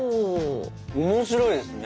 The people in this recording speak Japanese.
面白いですね。